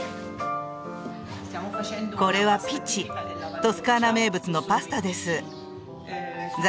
これはピチトスカーナ名物のパスタです